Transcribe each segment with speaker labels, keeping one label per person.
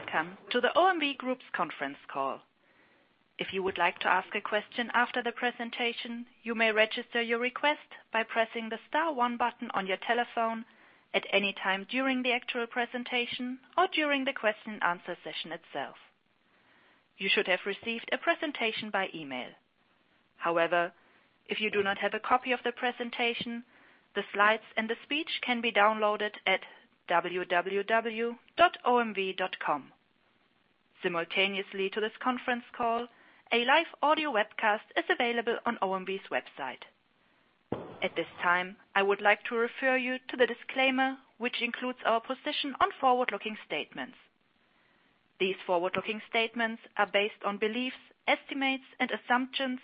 Speaker 1: Welcome to the OMV Group's conference call. If you would like to ask a question after the presentation, you may register your request by pressing the star one button on your telephone at any time during the actual presentation or during the question answer session itself. You should have received a presentation by email. If you do not have a copy of the presentation, the slides and the speech can be downloaded at www.omv.com. Simultaneously to this conference call, a live audio webcast is available on OMV's website. At this time, I would like to refer you to the disclaimer, which includes our position on forward-looking statements. These forward-looking statements are based on beliefs, estimates, and assumptions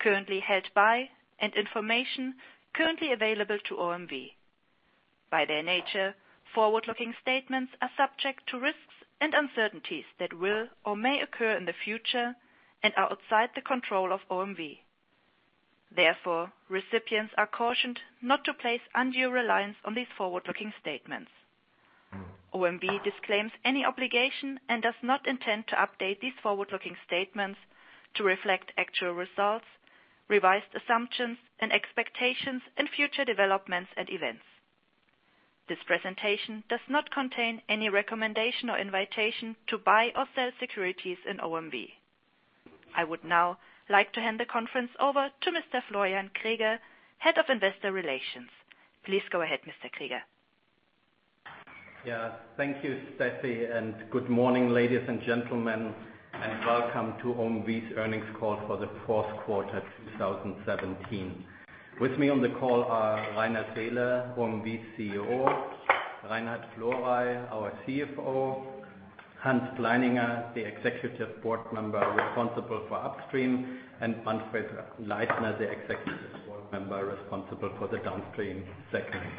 Speaker 1: currently held by, and information currently available to OMV. By their nature, forward-looking statements are subject to risks and uncertainties that will or may occur in the future and are outside the control of OMV. Recipients are cautioned not to place undue reliance on these forward-looking statements. OMV disclaims any obligation and does not intend to update these forward-looking statements to reflect actual results, revised assumptions and expectations in future developments and events. This presentation does not contain any recommendation or invitation to buy or sell securities in OMV. I would now like to hand the conference over to Mr. Florian Greger, Head of Investor Relations. Please go ahead, Mr. Greger.
Speaker 2: Thank you, Stephanie. Good morning, ladies and gentlemen, and welcome to OMV's earnings call for the fourth quarter 2017. With me on the call are Rainer Seele, OMV CEO, Reinhard Florey, our CFO, Hans Pleininger, the Executive Board Member responsible for Upstream, and Manfred Leitner, the Executive Board Member responsible for the Downstream segment.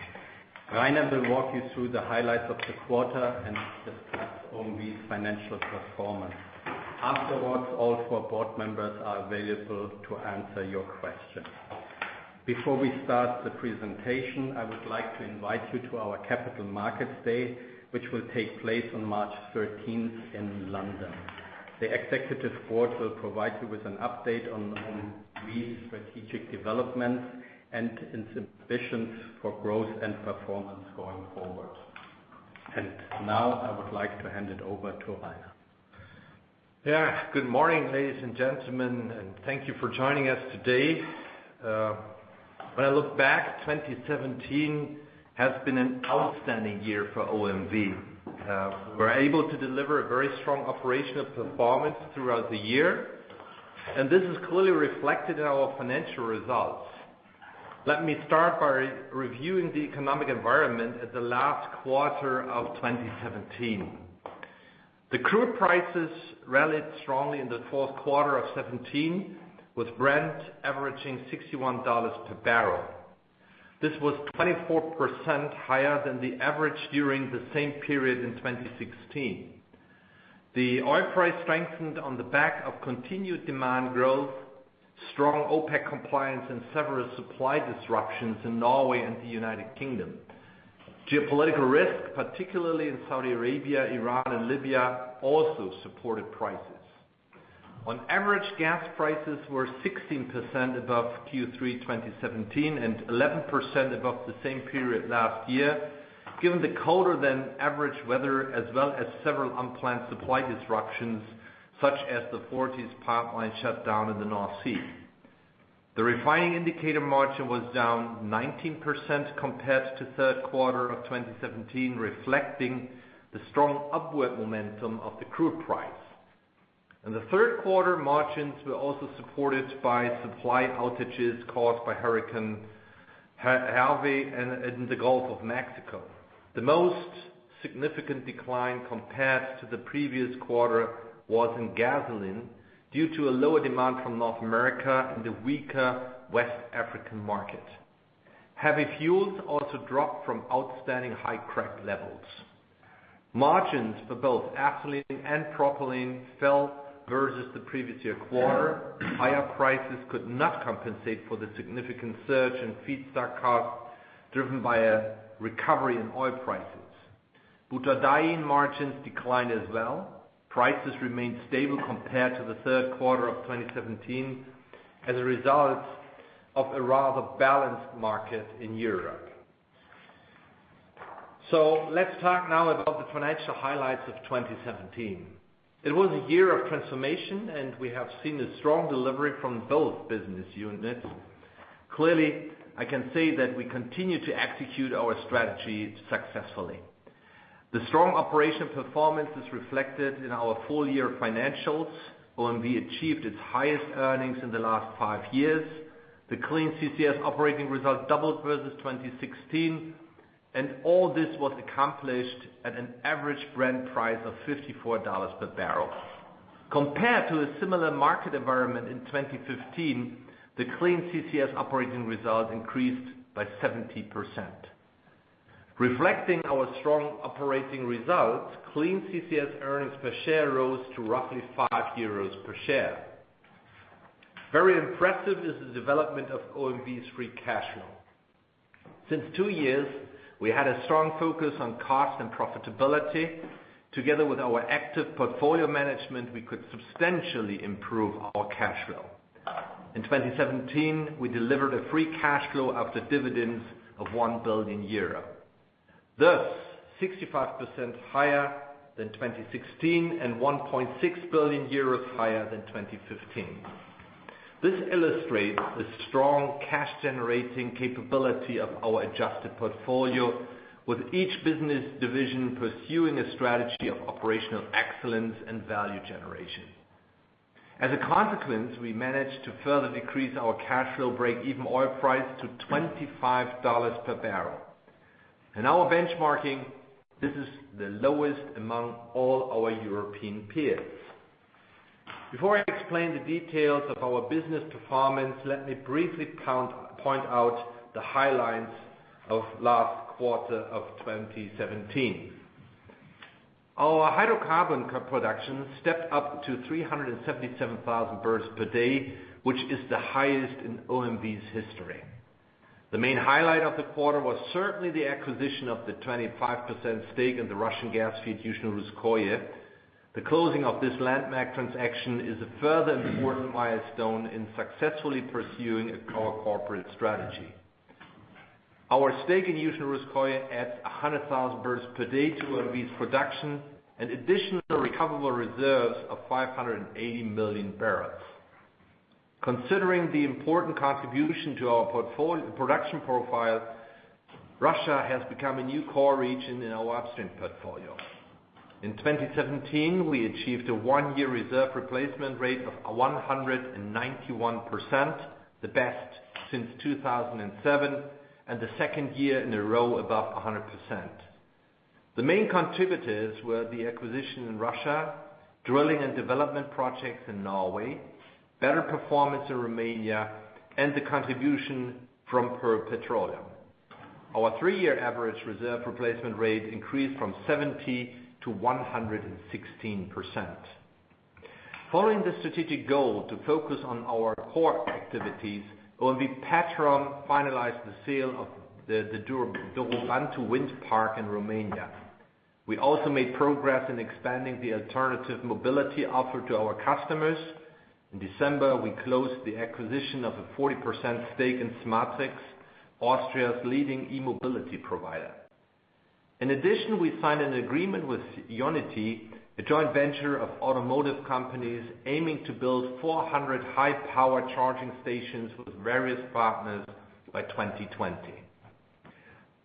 Speaker 2: Rainer will walk you through the highlights of the quarter and discuss OMV's financial performance. Afterwards, all four board members are available to answer your questions. Before we start the presentation, I would like to invite you to our Capital Markets Day, which will take place on March 13th in London. The executive board will provide you with an update on OMV's strategic developments and its ambitions for growth and performance going forward. Now I would like to hand it over to Rainer.
Speaker 3: Good morning, ladies and gentlemen, and thank you for joining us today. When I look back, 2017 has been an outstanding year for OMV. We were able to deliver a very strong operational performance throughout the year, and this is clearly reflected in our financial results. Let me start by reviewing the economic environment at the last quarter of 2017. The crude prices rallied strongly in the fourth quarter of 2017, with Brent averaging $61 per barrel. This was 24% higher than the average during the same period in 2016. The oil price strengthened on the back of continued demand growth, strong OPEC compliance, and several supply disruptions in Norway and the United Kingdom. Geopolitical risk, particularly in Saudi Arabia, Iran, and Libya, also supported prices. On average, gas prices were 16% above Q3 2017 and 11% above the same period last year, given the colder-than-average weather, as well as several unplanned supply disruptions, such as the Forties pipeline shutdown in the North Sea. The refining indicator margin was down 19% compared to Q3 2017, reflecting the strong upward momentum of the crude price. The Q3 margins were also supported by supply outages caused by Hurricane Harvey in the Gulf of Mexico. The most significant decline compared to the previous quarter was in gasoline due to a lower demand from North America and the weaker West African market. Heavy fuels also dropped from outstanding high crack levels. Margins for both ethylene and propylene fell versus the previous year quarter. Higher prices could not compensate for the significant surge in feedstock costs driven by a recovery in oil prices. Butadiene margins declined as well. Prices remained stable compared to Q3 2017 as a result of a rather balanced market in Europe. Let's talk now about the financial highlights of 2017. It was a year of transformation, and we have seen a strong delivery from both business units. Clearly, I can say that we continue to execute our strategy successfully. The strong operational performance is reflected in our full-year financials. OMV achieved its highest earnings in the last five years. The Clean CCS operating result doubled versus 2016, and all this was accomplished at an average Brent price of $54 per barrel. Compared to a similar market environment in 2015, the Clean CCS operating result increased by 70%. Reflecting our strong operating results, Clean CCS earnings per share rose to roughly 5 euros per share. Very impressive is the development of OMV's free cash flow. Since two years, we had a strong focus on cost and profitability. Together with our active portfolio management, we could substantially improve our cash flow. In 2017, we delivered a free cash flow after dividends of 1 billion euro, thus 65% higher than 2016 and 1.6 billion euros higher than 2015. This illustrates the strong cash-generating capability of our adjusted portfolio, with each business division pursuing a strategy of operational excellence and value generation. As a consequence, we managed to further decrease our cash flow breakeven oil price to $25 per barrel. In our benchmarking, this is the lowest among all our European peers. Before I explain the details of our business performance, let me briefly point out the highlights of Q4 2017. Our hydrocarbon production stepped up to 377,000 barrels per day, which is the highest in OMV's history. The main highlight of the quarter was certainly the acquisition of the 25% stake in the Russian gas field, Yuzhno-Russkoye. The closing of this landmark transaction is a further important milestone in successfully pursuing our corporate strategy. Our stake in Yuzhno-Russkoye adds 100,000 barrels per day to OMV's production and additional recoverable reserves of 580 million barrels. Considering the important contribution to our production profile, Russia has become a new core region in our upstream portfolio. In 2017, we achieved a one-year reserve replacement rate of 191%, the best since 2007, and the second year in a row above 100%. The main contributors were the acquisition in Russia, drilling and development projects in Norway, better performance in Romania, and the contribution from Petrom. Our three-year average reserve replacement rate increased from 70% to 116%. Following the strategic goal to focus on our core activities, OMV Petrom finalized the sale of the Dorobantu Wind Park in Romania. We also made progress in expanding the alternative mobility offer to our customers. In December, we closed the acquisition of a 40% stake in SMATRICS, Austria's leading e-mobility provider. In addition, we signed an agreement with IONITY, a joint venture of automotive companies aiming to build 400 high-power charging stations with various partners by 2020.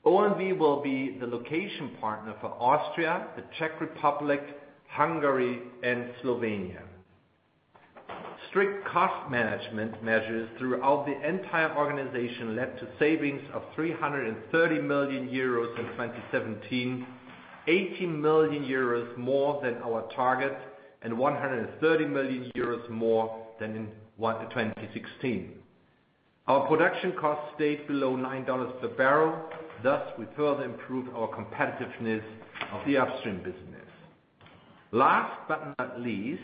Speaker 3: OMV will be the location partner for Austria, the Czech Republic, Hungary, and Slovenia. Strict cost management measures throughout the entire organization led to savings of 330 million euros in 2017, 80 million euros more than our target, and 130 million euros more than in 2016. Our production costs stayed below $9 per barrel. We further improved our competitiveness of the upstream business. Last but not least,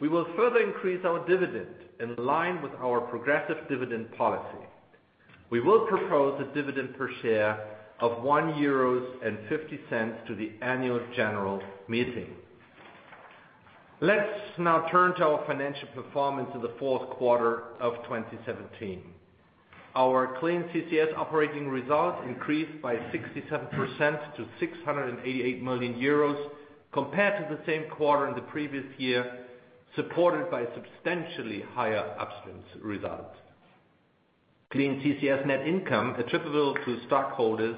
Speaker 3: we will further increase our dividend in line with our progressive dividend policy. We will propose a dividend per share of 1.50 euros to the annual general meeting. Let's now turn to our financial performance in the fourth quarter of 2017. Our Clean CCS operating results increased by 67% to 688 million euros compared to the same quarter in the previous year, supported by substantially higher upstream results. Clean CCS net income attributable to stockholders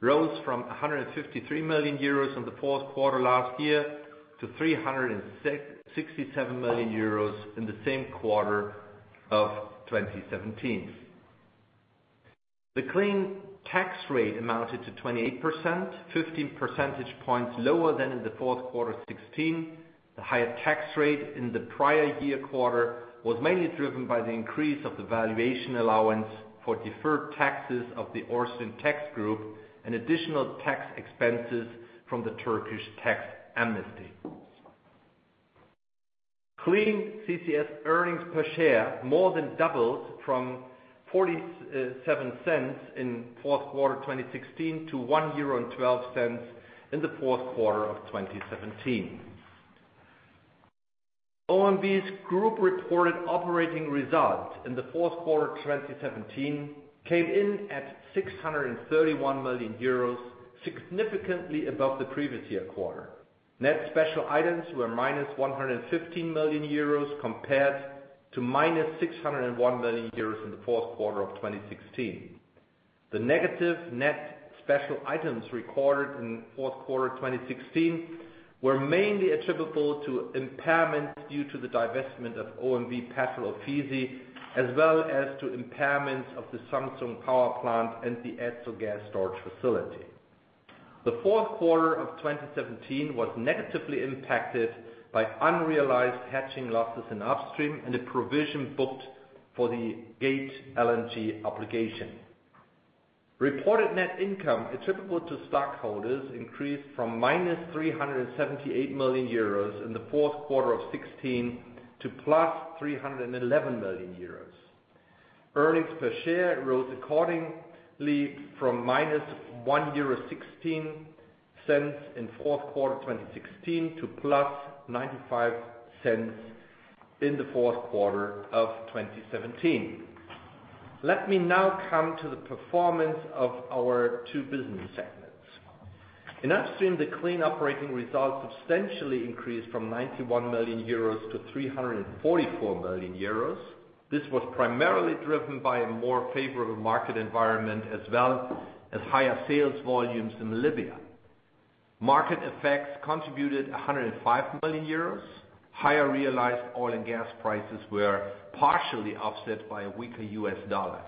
Speaker 3: rose from 153 million euros in the fourth quarter last year to 367 million euros in the same quarter of 2017. The clean tax rate amounted to 28%, 15 percentage points lower than in the fourth quarter of 2016. The higher tax rate in the prior year quarter was mainly driven by the increase of the valuation allowance for deferred taxes of the OMV tax group and additional tax expenses from the Turkish tax amnesty. Clean CCS earnings per share more than doubled from 0.47 in fourth quarter 2016 to 1.12 euro in the fourth quarter of 2017. OMV's group reported operating results in the fourth quarter of 2017 came in at 631 million euros, significantly above the previous year quarter. Net special items were minus 115 million euros compared to minus 601 million euros in the fourth quarter of 2016. The negative net special items recorded in the fourth quarter of 2016 were mainly attributable to impairments due to the divestment of OMV Petrom FGSZ, as well as to impairments of the Samsun Power Plant and the Etzel gas storage facility. The fourth quarter of 2017 was negatively impacted by unrealized hedging losses in upstream and a provision booked for the Gate LNG obligation. Reported net income attributable to stockholders increased from minus 378 million euros in the fourth quarter of 2016 to plus 311 million euros. Earnings per share rose accordingly from minus 1.16 euro in fourth quarter 2016 to plus 0.95 in the fourth quarter of 2017. Let me now come to the performance of our two business segments. In Upstream, the clean operating results substantially increased from 91 million euros to 344 million euros. This was primarily driven by a more favorable market environment, as well as higher sales volumes in Libya. Market effects contributed 105 million euros. Higher realized oil and gas prices were partially offset by a weaker U.S. dollar.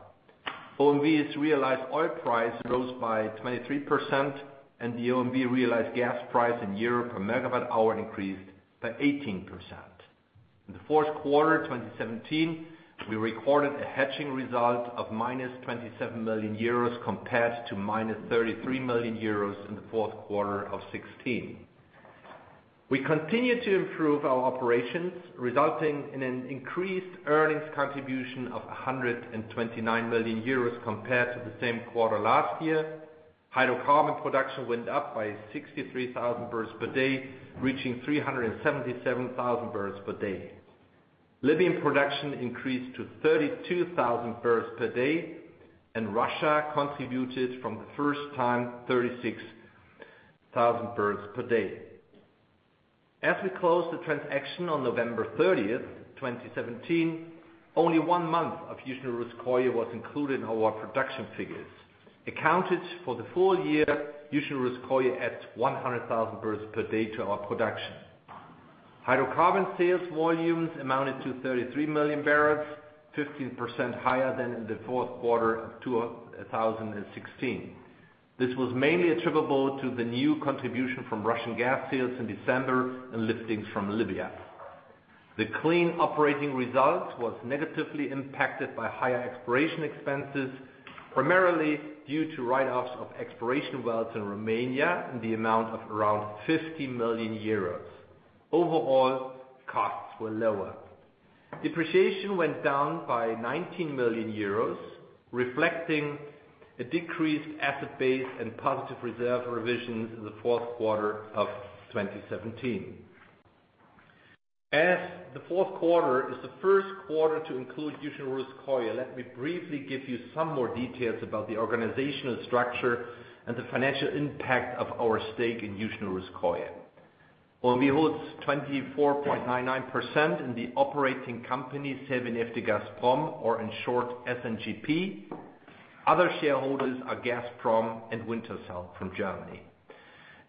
Speaker 3: OMV's realized oil price rose by 23%, and the OMV realized gas price in Europe per megawatt hour increased by 18%. In the fourth quarter 2017, we recorded a hedging result of minus 27 million euros compared to minus 33 million euros in the fourth quarter of 2016. We continued to improve our operations, resulting in an increased earnings contribution of 129 million euros compared to the same quarter last year. Hydrocarbon production went up by 63,000 barrels per day, reaching 377,000 barrels per day. Libyan production increased to 32,000 barrels per day, and Russia contributed from the first time 36,000 barrels per day. As we closed the transaction on November 30th, 2017, only one month of Yuzhno-Russkoye was included in our production figures. Accounted for the full year, Yuzhno-Russkoye adds 100,000 barrels per day to our production. Hydrocarbon sales volumes amounted to 33 million barrels, 15% higher than in the fourth quarter of 2016. This was mainly attributable to the new contribution from Russian gas sales in December and liftings from Libya. The clean operating result was negatively impacted by higher exploration expenses, primarily due to write-offs of exploration wells in Romania in the amount of around 50 million euros. Overall, costs were lower. Depreciation went down by 19 million euros, reflecting a decreased asset base and positive reserve revisions in the fourth quarter of 2017. As the fourth quarter is the first quarter to include Yuzhno-Russkoye, let me briefly give you some more details about the organizational structure and the financial impact of our stake in Yuzhno-Russkoye. OMV holds 24.99% in the operating company, Severneftegazprom, or in short, SNGP. Other shareholders are Gazprom and Wintershall from Germany.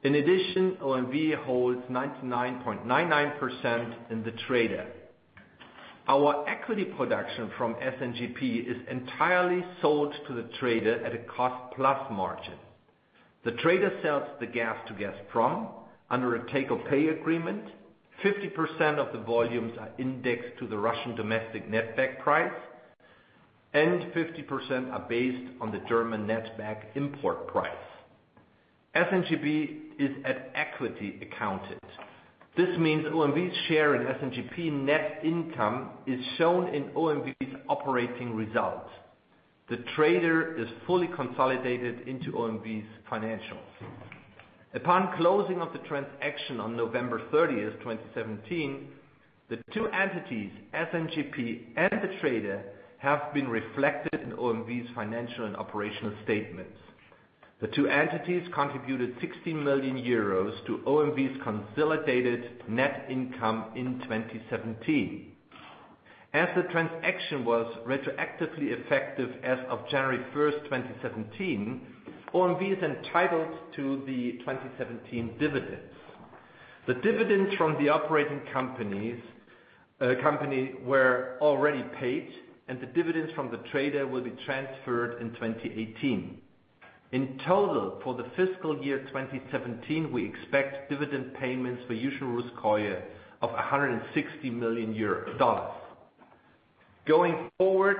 Speaker 3: In addition, OMV holds 99.99% in the trader. Our equity production from SNGP is entirely sold to the trader at a cost-plus margin. The trader sells the gas to Gazprom under a take-or-pay agreement. 50% of the volumes are indexed to the Russian domestic netback price, and 50% are based on the German netback import price. SNGP is at equity accounted. This means OMV's share in SNGP net income is shown in OMV's operating results. The trader is fully consolidated into OMV's financials. Upon closing of the transaction on November 30th, 2017, the two entities, SNGP and the trader, have been reflected in OMV's financial and operational statements. The two entities contributed 60 million euros to OMV's consolidated net income in 2017. As the transaction was retroactively effective as of January 1st, 2017, OMV is entitled to the 2017 dividends. The dividends from the operating company were already paid, and the dividends from the trader will be transferred in 2018. In total, for the fiscal year 2017, we expect dividend payments for Yuzhno-Russkoye of $160 million. Going forward,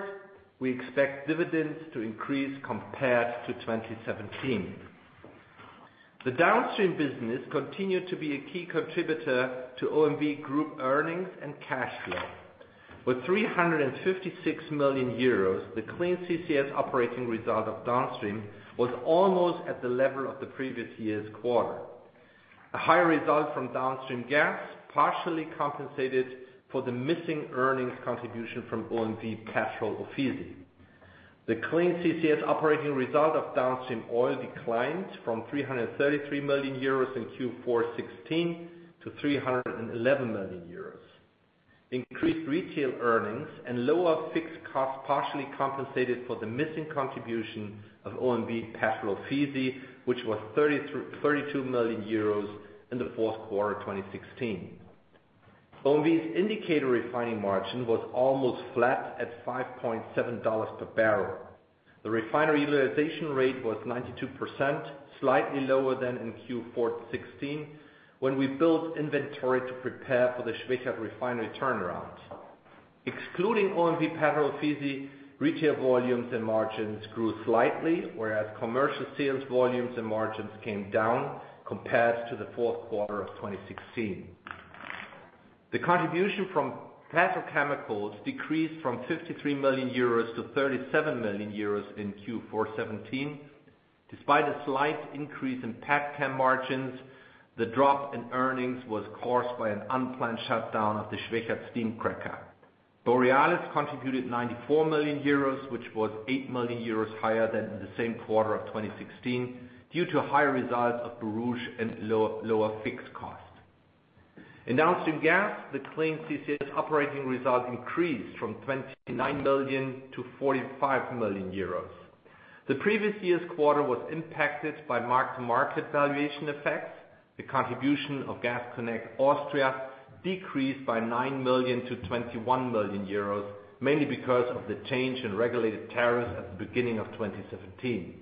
Speaker 3: we expect dividends to increase compared to 2017. The Downstream business continued to be a key contributor to OMV group earnings and cash flow. With 356 million euros, the Clean CCS operating result of Downstream was almost at the level of the previous year's quarter. A higher result from Downstream Gas partially compensated for the missing earnings contribution from OMV Petrol Ofisi. The Clean CCS operating result of Downstream Oil declined from 333 million euros in Q4 '16 to 311 million euros. Increased retail earnings and lower fixed costs partially compensated for the missing contribution of OMV Petrol Ofisi, which was 32 million euros in the fourth quarter of 2016. OMV's indicator refining margin was almost flat at $5.70 per barrel. The refinery utilization rate was 92%, slightly lower than in Q4 '16, when we built inventory to prepare for the Schwechat refinery turnaround. Excluding OMV Petrol Ofisi, retail volumes and margins grew slightly, whereas commercial sales volumes and margins came down compared to the fourth quarter of 2016. The contribution from Petrochemicals decreased from 53 million euros to 37 million euros in Q4 2017. Despite a slight increase in petchem margins, the drop in earnings was caused by an unplanned shutdown of the Schwechat steam cracker. Borealis contributed 94 million euros, which was 8 million euros higher than in the same quarter of 2016, due to higher results at Borouge and lower fixed costs. In Austrian Gas, the clean CCS operating result increased from 29 million to 45 million euros. The previous year's quarter was impacted by mark-to-market valuation effects. The contribution of Gas Connect Austria decreased by 9 million to 21 million euros, mainly because of the change in regulated tariffs at the beginning of 2017.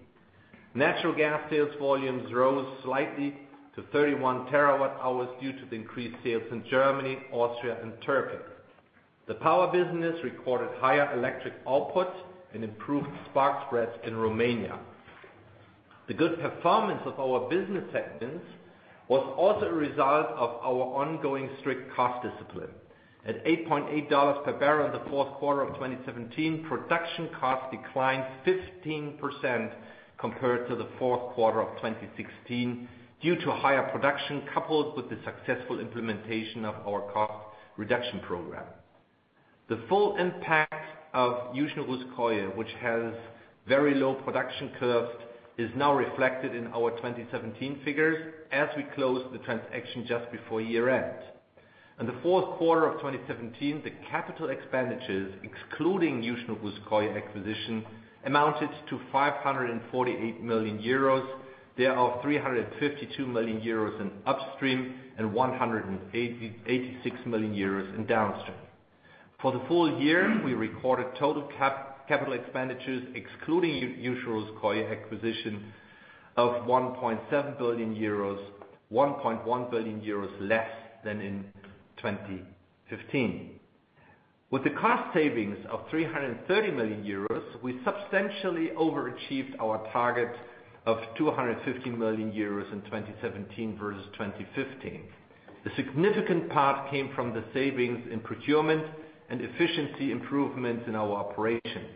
Speaker 3: Natural gas sales volumes rose slightly to 31 terawatt-hours due to the increased sales in Germany, Austria, and Turkey. The power business recorded higher electric output and improved spark spreads in Romania. The good performance of our business segments was also a result of our ongoing strict cost discipline. At $8.80 per barrel in the fourth quarter of 2017, production costs declined 15% compared to the fourth quarter of 2016 due to higher production coupled with the successful implementation of our cost reduction program. The full impact of Yuzhno-Russkoye, which has very low production curves, is now reflected in our 2017 figures as we closed the transaction just before year-end. In the fourth quarter of 2017, the CapEx, excluding Yuzhno-Russkoye acquisition, amounted to 548 million euros, thereof 352 million euros in upstream and 186 million euros in downstream. For the full year, we recorded total CapEx, excluding Yuzhno-Russkoye acquisition of 1.7 billion euros, 1.1 billion euros less than in 2015. With a cost savings of 330 million euros, we substantially overachieved our target of 250 million euros in 2017 versus 2015. The significant part came from the savings in procurement and efficiency improvements in our operations.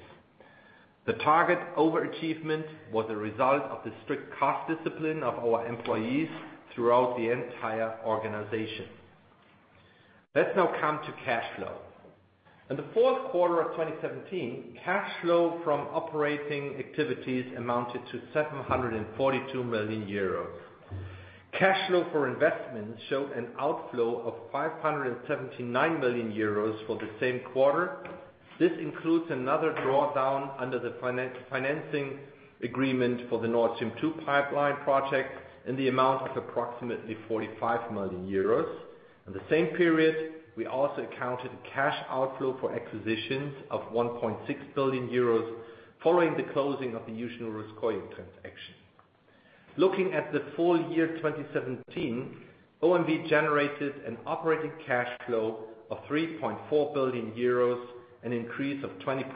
Speaker 3: The target overachievement was a result of the strict cost discipline of our employees throughout the entire organization. Let's now come to cash flow. In the fourth quarter of 2017, cash flow from operating activities amounted to 742 million euros. Cash flow for investments showed an outflow of 579 million euros for the same quarter. This includes another drawdown under the financing agreement for the Nord Stream 2 pipeline project in the amount of approximately 45 million euros. In the same period, we also accounted cash outflow for acquisitions of 1.6 billion euros following the closing of the Yuzhno-Russkoye transaction. Looking at the full year 2017, OMV generated an operating cash flow of 3.4 billion euros, an increase of 20%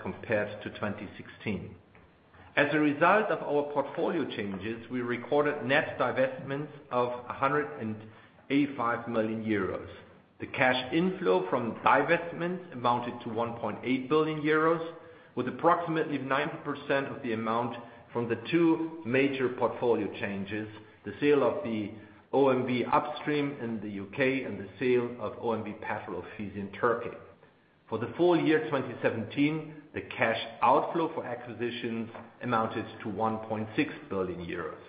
Speaker 3: compared to 2016. As a result of our portfolio changes, we recorded net divestments of 185 million euros. The cash inflow from divestments amounted to 1.8 billion euros, with approximately 90% of the amount from the two major portfolio changes, the sale of the OMV upstream in the U.K. and the sale of OMV Petrol Ofisi in Turkey. For the full year 2017, the cash outflow for acquisitions amounted to 1.6 billion euros.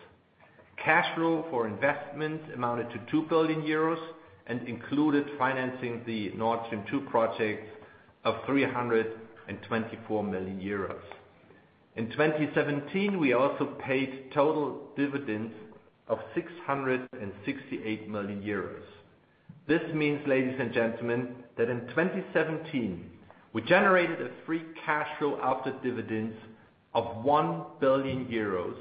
Speaker 3: Cash flow for investments amounted to 2 billion euros and included financing the Nord Stream 2 project of 324 million euros. In 2017, we also paid total dividends of 668 million euros. This means, ladies and gentlemen, that in 2017, we generated a free cash flow after dividends of 1 billion euros,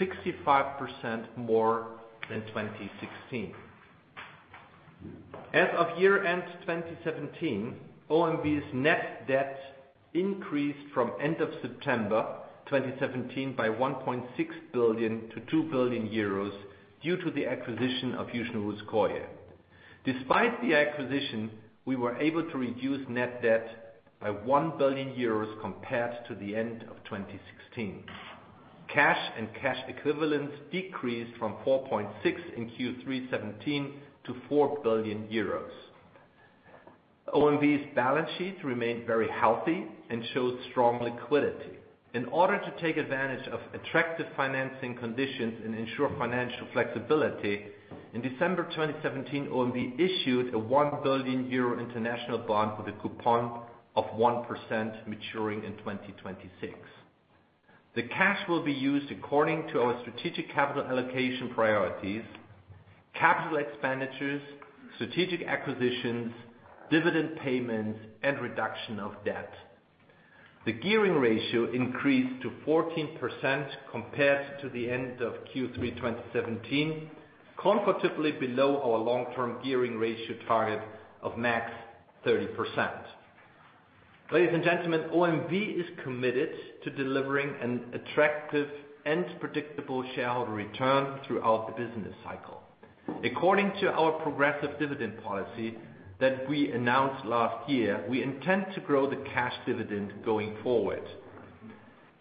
Speaker 3: 65% more than 2016. As of year-end 2017, OMV's net debt increased from end of September 2017 by 1.6 billion to 2 billion euros due to the acquisition of Yuzhno-Russkoye. Despite the acquisition, we were able to reduce net debt by 1 billion euros compared to the end of 2016. Cash and cash equivalents decreased from 4.6 billion in Q3 2017 to 4 billion euros. OMV's balance sheets remain very healthy and showed strong liquidity. In order to take advantage of attractive financing conditions and ensure financial flexibility, in December 2017, OMV issued a 1 billion euro international bond with a coupon of 1% maturing in 2026. The cash will be used according to our strategic capital allocation priorities, capital expenditures, strategic acquisitions, dividend payments, and reduction of debt. The gearing ratio increased to 14% compared to the end of Q3 2017, comfortably below our long-term gearing ratio target of max 30%. Ladies and gentlemen, OMV is committed to delivering an attractive and predictable shareholder return throughout the business cycle. According to our progressive dividend policy that we announced last year, we intend to grow the cash dividend going forward.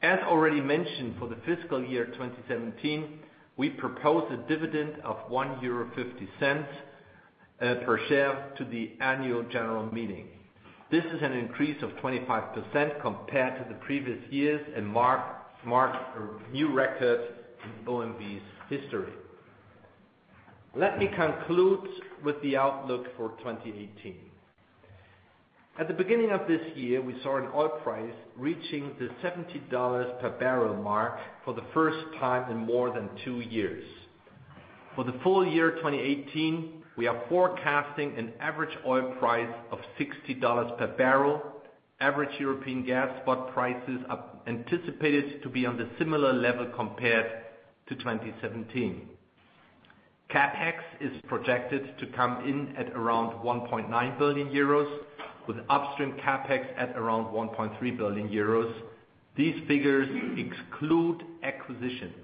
Speaker 3: As already mentioned, for the fiscal year 2017, we propose a dividend of 1.50 euro per share to the annual general meeting. This is an increase of 25% compared to the previous years, and marks a new record in OMV's history. Let me conclude with the outlook for 2018. At the beginning of this year, we saw an oil price reaching the $70 per barrel mark for the first time in more than two years. For the full year 2018, we are forecasting an average oil price of $60 per barrel. Average European gas spot prices are anticipated to be on the similar level compared to 2017. CapEx is projected to come in at around 1.9 billion euros, with upstream CapEx at around 1.3 billion euros. These figures exclude acquisitions.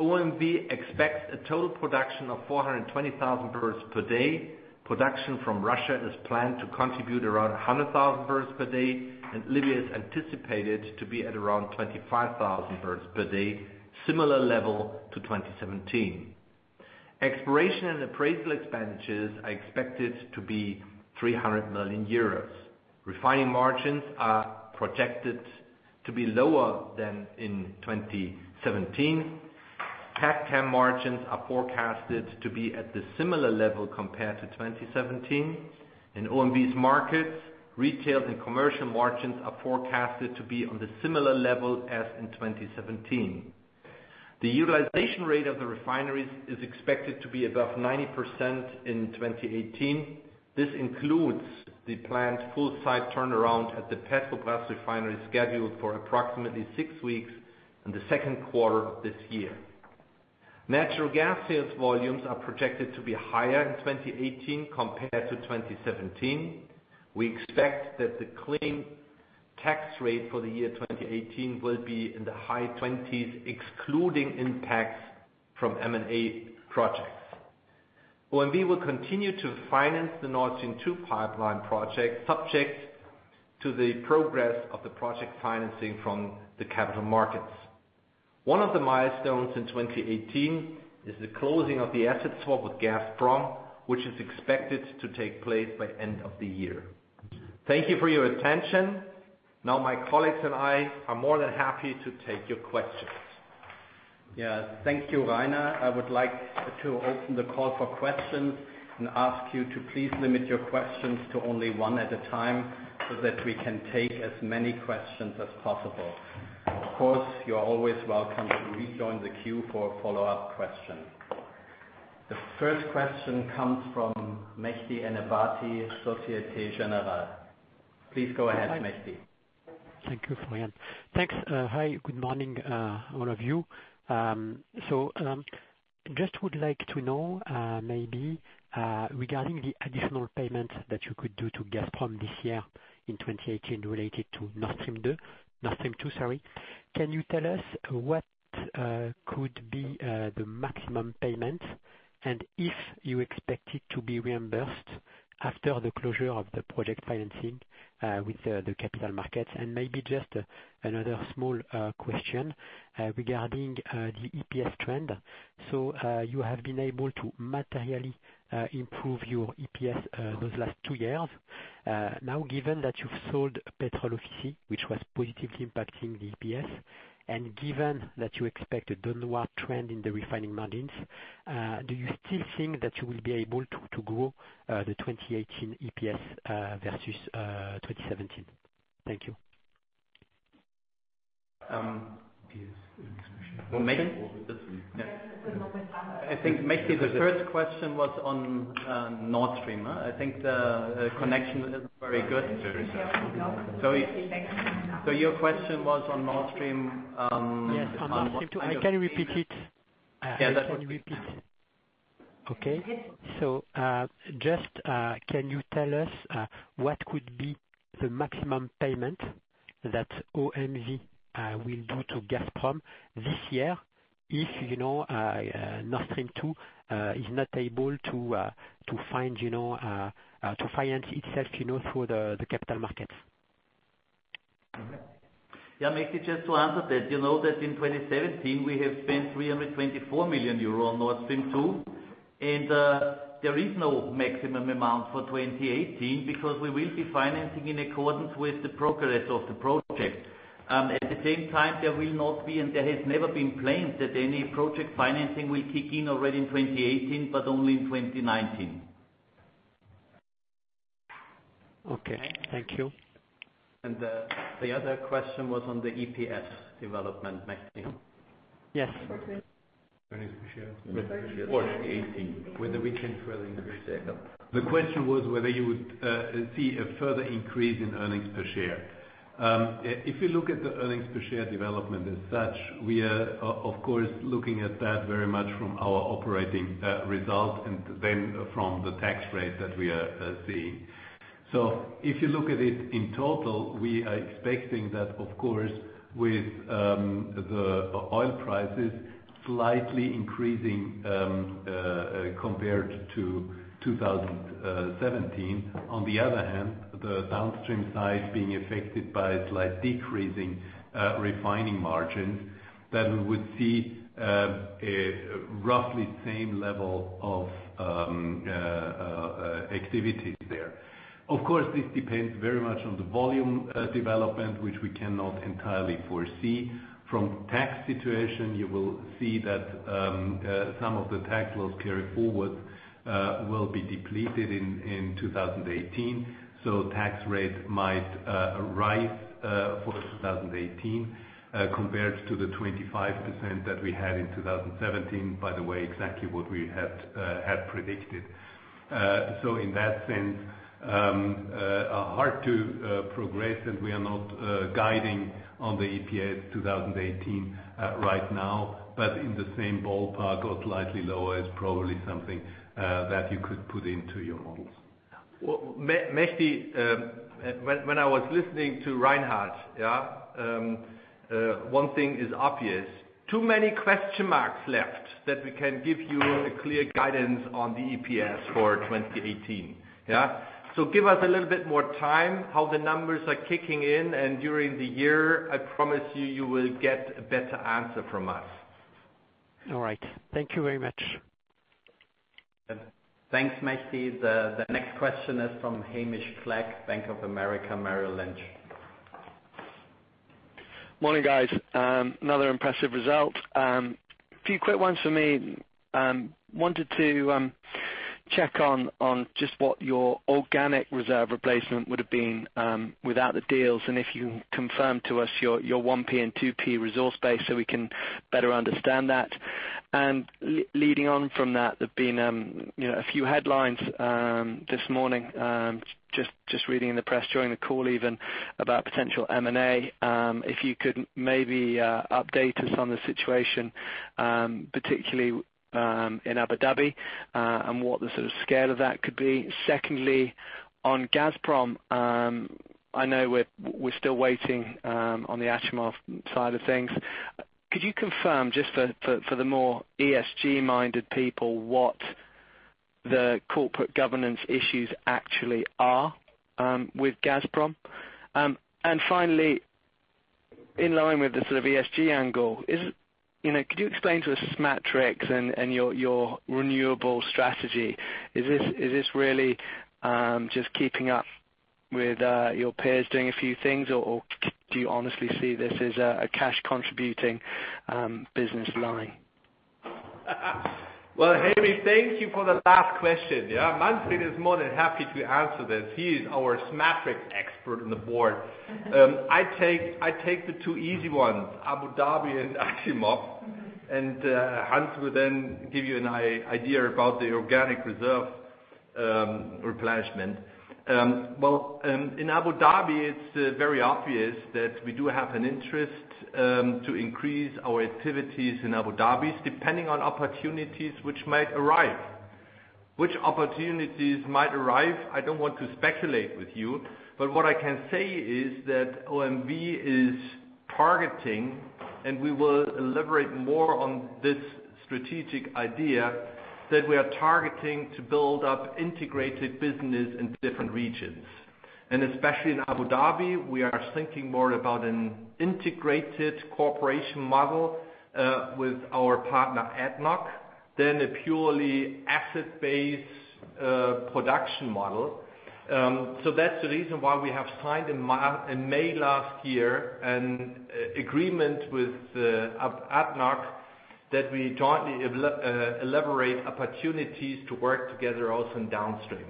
Speaker 3: OMV expects a total production of 420,000 barrels per day. Production from Russia is planned to contribute around 100,000 barrels per day, and Libya is anticipated to be at around 25,000 barrels per day, similar level to 2017. Exploration and Appraisal expenditures are expected to be 300 million euros. Refining margins are projected to be lower than in 2017. Petchem margins are forecasted to be at the similar level compared to 2017. In OMV's markets, retail and commercial margins are forecasted to be on the similar level as in 2017. The utilization rate of the refineries is expected to be above 90% in 2018. This includes the planned full site turnaround at the Petrobrazi refinery, scheduled for approximately six weeks in the second quarter of this year. Natural gas sales volumes are projected to be higher in 2018 compared to 2017. We expect that the clean tax rate for the year 2018 will be in the high 20s, excluding impacts from M&A projects. OMV will continue to finance the Nord Stream 2 pipeline project, subject to the progress of the project financing from the capital markets. One of the milestones in 2018 is the closing of the asset swap with Gazprom, which is expected to take place by end of the year. Thank you for your attention. Now my colleagues and I are more than happy to take your questions.
Speaker 2: Yeah. Thank you, Rainer. I would like to open the call for questions and ask you to please limit your questions to only one at a time, so that we can take as many questions as possible. Of course, you are always welcome to rejoin the queue for a follow-up question. The first question comes from Mehdi Ennebati, Société Générale. Please go ahead, Mehdi.
Speaker 4: Thank you, Florian. Thanks. Hi, good morning, all of you. Just would like to know, maybe, regarding the additional payment that you could do to Gazprom this year in 2018 related to Nord Stream 2. Can you tell us what could be the maximum payment, and if you expect it to be reimbursed after the closure of the project financing with the capital markets? Maybe just another small question regarding the EPS trend. You have been able to materially improve your EPS those last two years. Given that you've sold Petrol Ofisi, which was positively impacting the EPS, and given that you expect a downward trend in the refining margins, do you still think that you will be able to grow the 2018 EPS versus 2017? Thank you.
Speaker 2: I think, Mehdi, the first question was on Nord Stream. I think the connection isn't very good. Your question was on Nord Stream-
Speaker 4: Yes, on Nord Stream 2. I can repeat it.
Speaker 2: Yeah.
Speaker 4: I can repeat. Okay. Just can you tell us what could be the maximum payment that OMV will do to Gazprom this year if Nord Stream 2 is not able to finance itself through the capital markets?
Speaker 3: Okay. Mehdi, just to answer that. You know that in 2017 we have spent 324 million euro on Nord Stream 2. There is no maximum amount for 2018 because we will be financing in accordance with the progress of the project. At the same time, there will not be, and there has never been planned that any project financing will kick in already in 2018, but only in 2019.
Speaker 4: Okay. Thank you.
Speaker 2: The other question was on the EPS development, Mehdi.
Speaker 4: Yes.
Speaker 3: Okay. Earnings per share? Whether we can further increase that.
Speaker 5: The question was whether you would see a further increase in earnings per share. If you look at the earnings per share development as such, we are of course looking at that very much from our operating result, and then from the tax rate that we are seeing. If you look at it in total, we are expecting that, of course, with the oil prices slightly increasing compared to 2017. On the other hand, the Downstream side being affected by a slight decrease in refining margins, that we would see a roughly same level of activities there. Of course, this depends very much on the volume development, which we cannot entirely foresee. From tax situation, you will see that some of the tax laws carry forward will be depleted in 2018. Tax rates might rise for 2018 compared to the 25% that we had in 2017, by the way, exactly what we had predicted. In that sense, hard to progress and we are not guiding on the EPS 2018 right now, but in the same ballpark or slightly lower, it's probably something that you could put into your models.
Speaker 3: Well, Mehdi, when I was listening to Reinhard. One thing is obvious, too many question marks left that we can give you a clear guidance on the EPS for 2018. Give us a little bit more time, how the numbers are kicking in, and during the year, I promise you will get a better answer from us.
Speaker 4: All right. Thank you very much.
Speaker 2: Thanks, Mehdi. The next question is from Hamish Clegg, Bank of America Merrill Lynch.
Speaker 6: Morning, guys. Another impressive result. A few quick ones for me. Wanted to check on just what your organic reserve replacement would have been without the deals, and if you can confirm to us your 1P and 2P resource base so we can better understand that. Leading on from that, there've been a few headlines this morning, just reading in the press, during the call even, about potential M&A. If you could maybe update us on the situation, particularly in Abu Dhabi, and what the sort of scale of that could be. Secondly, on Gazprom, I know we're still waiting on the Achimov side of things. Could you confirm just for the more ESG-minded people what the corporate governance issues actually are with Gazprom? Finally, in line with the sort of ESG angle, could you explain to us SMATRICS and your renewable strategy? Is this really just keeping up with your peers doing a few things, or do you honestly see this as a cash contributing business line?
Speaker 3: Hamish, thank you for the last question. Manfred is more than happy to answer this. He is our SMATRICS expert on the board. I take the two easy ones, Abu Dhabi and Achimov, Hans will give you an idea about the organic reserve replenishment. In Abu Dhabi, it's very obvious that we do have an interest to increase our activities in Abu Dhabi, depending on opportunities which might arise. Which opportunities might arise, I don't want to speculate with you. What I can say is that OMV is targeting, we will elaborate more on this strategic idea, that we are targeting to build up integrated business in different regions. Especially in Abu Dhabi, we are thinking more about an integrated cooperation model with our partner, ADNOC, than a purely asset-based production model. That's the reason why we have signed in May last year, an agreement with ADNOC that we jointly elaborate opportunities to work together also in downstream.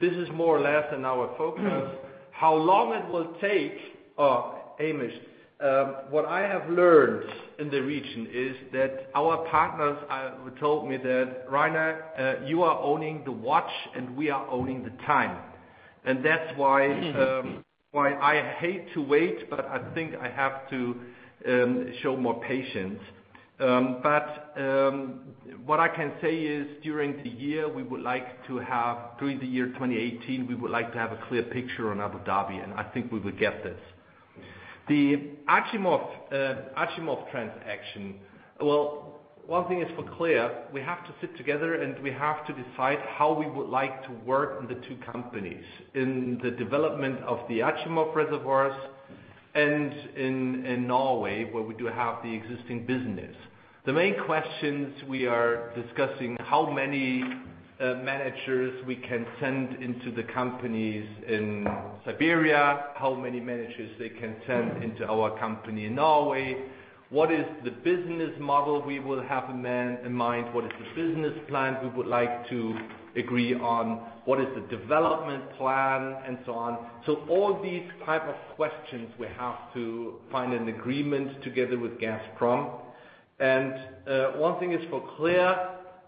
Speaker 3: This is more or less in our focus. How long it will take, Hamish, what I have learned in the region is that our partners told me that, "Rainer, you are owning the watch, we are owning the time." That's why I hate to wait, I think I have to show more patience. What I can say is during the year 2018, we would like to have a clear picture on Abu Dhabi, I think we will get this. The Achimov transaction. One thing is for clear, we have to sit together, we have to decide how we would like to work in the two companies. In the development of the Achimov reservoirs in Norway, where we do have the existing business. The main questions we are discussing, how many managers we can send into the companies in Siberia, how many managers they can send into our company in Norway. What is the business model we will have in mind? What is the business plan we would like to agree on? What is the development plan and so on. All these type of questions we have to find an agreement together with Gazprom. One thing is for clear-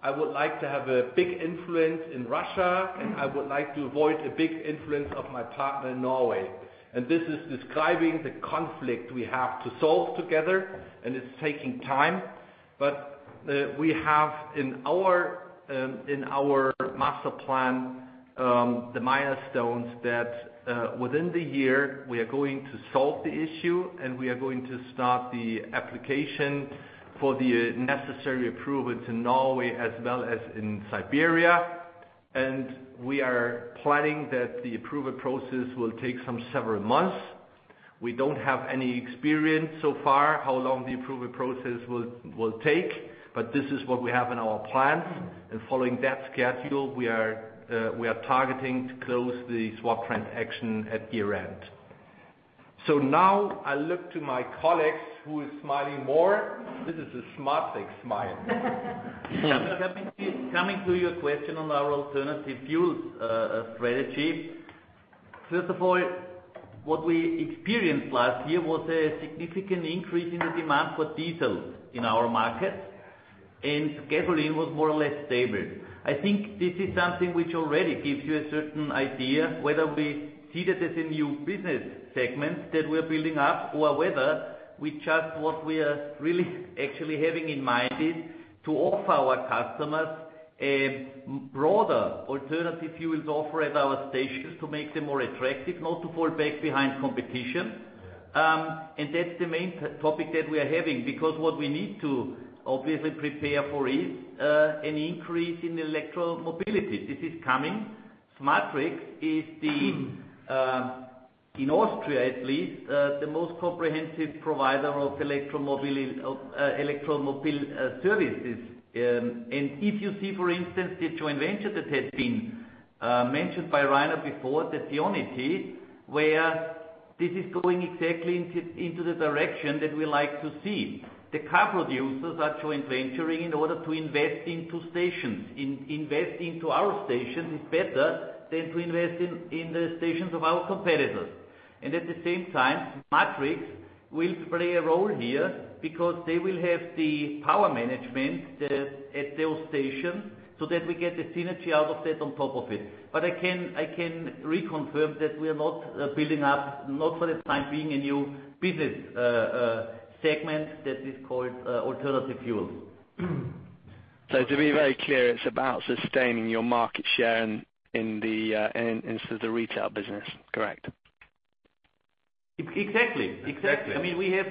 Speaker 3: I would like to have a big influence in Russia, I would like to avoid a big influence of my partner in Norway. This is describing the conflict we have to solve together, it's taking time. We have, in our master plan, the milestones that within the year we are going to solve the issue, we are going to start the application for the necessary approval to Norway as well as in Siberia. We are planning that the approval process will take some several months. We don't have any experience so far how long the approval process will take, this is what we have in our plans. Following that schedule, we are targeting to close the swap transaction at year-end. Now I look to my colleagues, who is smiling more? This is a [smart big smile].
Speaker 7: Coming to your question on our alternative fuels strategy. First of all, what we experienced last year was a significant increase in the demand for diesel in our market, and gasoline was more or less stable. I think this is something which already gives you a certain idea whether we see this as a new business segment that we're building up or whether we adjust what we are really actually having in mind is to offer our customers a broader alternative fuels offer at our stations to make them more attractive, not to fall back behind competition. That's the main topic that we are having, because what we need to obviously prepare for is an increase in e-mobility. This is coming. SMATRICS is the, in Austria at least, the most comprehensive provider of e-mobility services. If you see, for instance, the joint venture that had been mentioned by Rainer before, the IONITY, where this is going exactly into the direction that we like to see. The car producers are joint venturing in order to invest into stations. Invest into our station is better than to invest in the stations of our competitors. At the same time, SMATRICS will play a role here because they will have the power management at those stations so that we get the synergy out of that on top of it. I can reconfirm that we are not building up, not for the time being, a new business segment that is called alternative fuel.
Speaker 2: To be very clear, it's about sustaining your market share in the retail business, correct?
Speaker 7: Exactly.
Speaker 8: Exactly.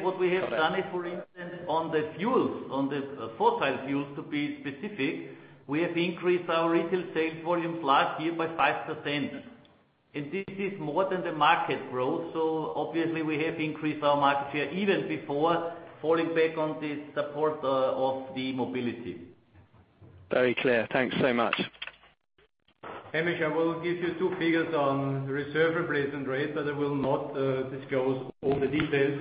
Speaker 7: What we have done is, for instance, on the fuels, on the fossil fuels to be specific, we have increased our retail sales volume last year by 5%. This is more than the market growth, so obviously we have increased our market share even before falling back on the support of the mobility.
Speaker 6: Very clear. Thanks so much.
Speaker 8: Hamish, I will give you two figures on reserve replacement rate, but I will not disclose all the details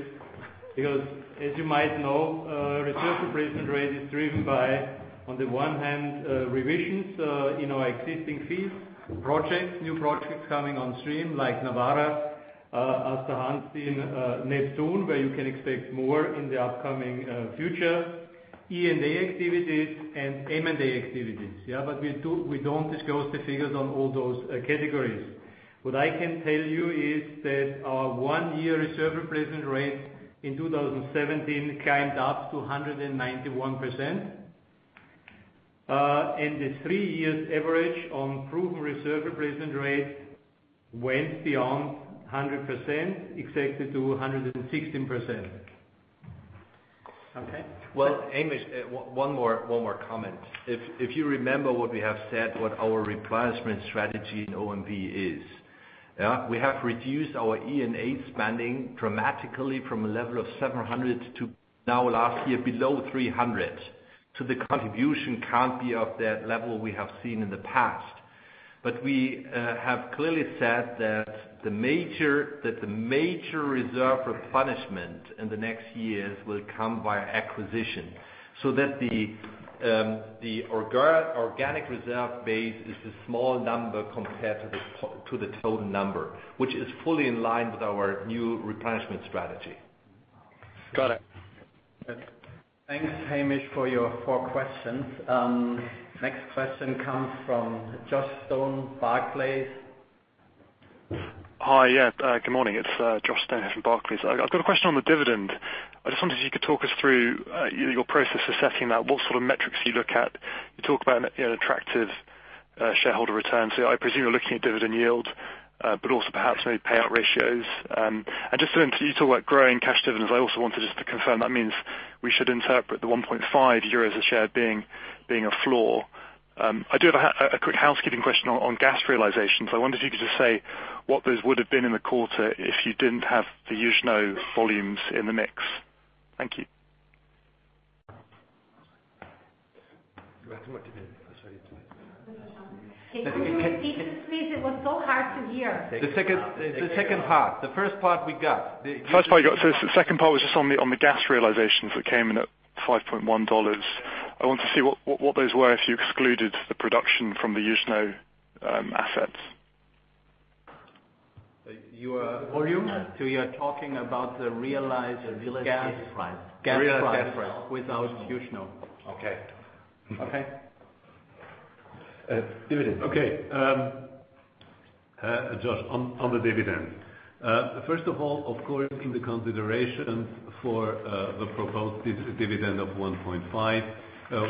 Speaker 8: because as you might know reserve replacement rate is driven by, on the one hand, revisions in our existing fields, projects, new projects coming on stream like Nawara, Aasta Hansteen, Neptun, where you can expect more in the upcoming future, E&A activities and M&A activities. We don't disclose the figures on all those categories. What I can tell you is that our one-year reserve replacement rate in 2017 climbed up to 191%, and the three years average on proven reserve replacement rate went beyond 100%, exactly to 116%. Okay?
Speaker 7: Well, Hamish, one more comment. If you remember what we have said, what our replacement strategy in OMV is. We have reduced our E&A spending dramatically from a level of 700 to now last year below 300. The contribution can't be of that level we have seen in the past. We have clearly said that the major reserve replenishment in the next years will come via acquisition. That the organic reserve base is a small number compared to the total number, which is fully in line with our new replenishment strategy.
Speaker 2: Got it. Thanks, Hamish, for your four questions. Next question comes from Josh Stone, Barclays.
Speaker 9: Hi, yeah. Good morning. It's Josh Stone from Barclays. I've got a question on the dividend. I just wondered if you could talk us through your process for setting that, what sort of metrics you look at. You talk about an attractive shareholder return. I presume you're looking at dividend yield, but also perhaps maybe payout ratios. You talk about growing cash dividends. I also wanted just to confirm that means we should interpret the 1.5 euros a share being a floor. I do have a quick housekeeping question on gas realizations. I wonder if you could just say what those would have been in the quarter if you didn't have the Yuzhno volumes in the mix. Thank you.
Speaker 2: Can you repeat this please? It was so hard to hear.
Speaker 3: The second part. The first part we got.
Speaker 9: The first part you got. The second part was just on the gas realizations that came in at $5.1. I want to see what those were if you excluded the production from the Yuzhno assets.
Speaker 3: Volume? You are talking about the realized gas price
Speaker 5: The realized gas price
Speaker 3: gas price without Yuzhno.
Speaker 5: Okay.
Speaker 3: Okay. Dividends.
Speaker 5: Okay. Josh, on the dividend. First of all, of course, in the consideration for the proposed dividend of 1.5,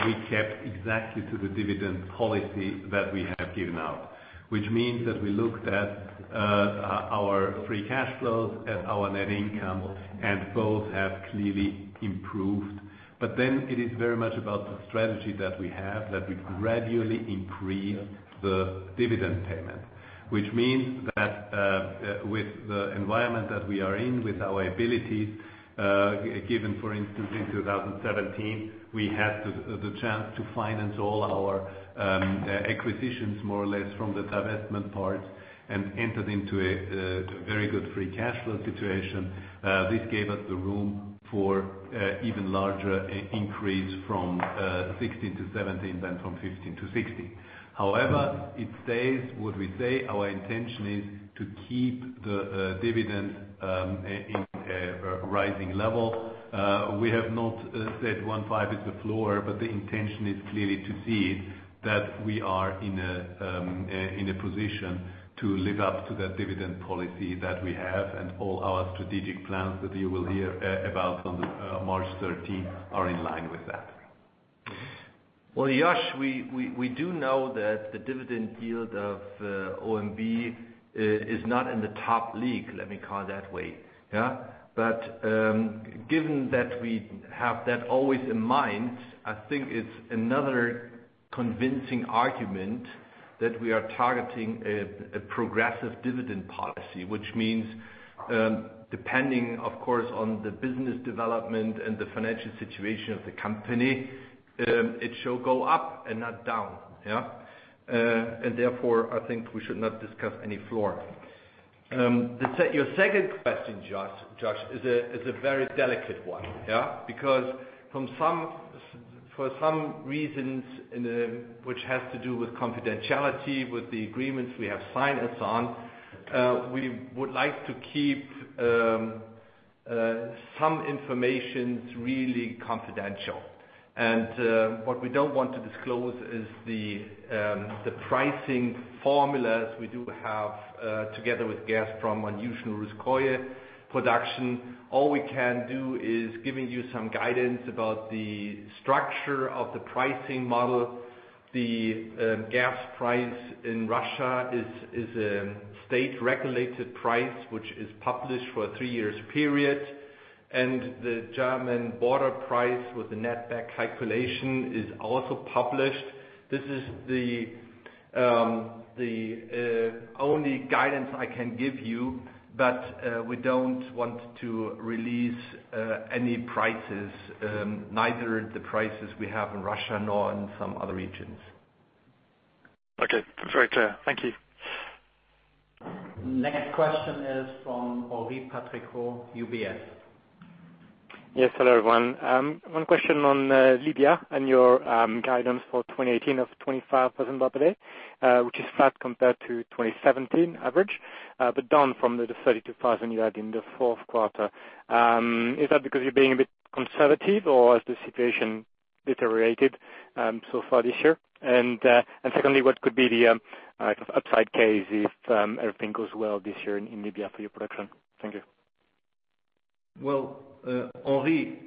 Speaker 5: we kept exactly to the dividend policy that we have given out. We looked at our free cash flows, at our net income, and both have clearly improved. It is very much about the strategy that we have, that we gradually increase the dividend payment. With the environment that we are in, with our abilities, given, for instance, in 2017, we had the chance to finance all our acquisitions more or less from the divestment part and entered into a very good free cash flow situation. This gave us the room for even larger increase from 2016 to 2017 than from 2015 to 2016. It stays what we say, our intention is to keep the dividend in a rising level. We have not said 1.5 is the floor, the intention is clearly to see that we are in a position to live up to that dividend policy that we have and all our strategic plans that you will hear about on March 13th are in line with that.
Speaker 3: Well, Josh, we do know that the dividend yield of OMV is not in the top league, let me call it that way. Given that we have that always in mind, I think it's another convincing argument that we are targeting a progressive dividend policy. Depending of course on the business development and the financial situation of the company, it should go up and not down. Therefore, I think we should not discuss any floor. Your second question, Josh, is a very delicate one. For some reasons, which has to do with confidentiality, with the agreements we have signed and so on, we would like to keep some information really confidential. What we don't want to disclose is the pricing formulas we do have together with Gazprom on Yuzhno-Russkoye production. All we can do is giving you some guidance about the structure of the pricing model. The gas price in Russia is a state-regulated price, which is published for a three years period, and the German border price with the netback calculation is also published. This is the only guidance I can give you. We don't want to release any prices, neither the prices we have in Russia nor in some other regions.
Speaker 9: Okay. That's very clear. Thank you.
Speaker 2: Next question is from Henri Patricot, UBS.
Speaker 10: Yes. Hello, everyone. One question on Libya and your guidance for 2018 of 25,000 barrel a day, which is flat compared to 2017 average. Down from the 32,000 you had in the fourth quarter. Is that because you're being a bit conservative or has the situation deteriorated so far this year? Secondly, what could be the upside case if everything goes well this year in Libya for your production? Thank you.
Speaker 3: Well, Henri,